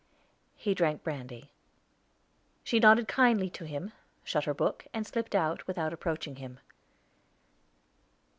He drank the brandy. She nodded kindly to him, shut her book, and slipped out, without approaching him.